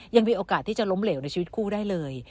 ยังมีโอกาสที่จะล้มเหลวในชีวิตคู่ได้เลย